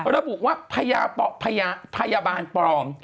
แล้วบุ๊กว่าพยาบาลปลอม